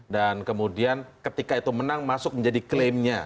dan kemudian ketika itu menang masuk menjadi klaimnya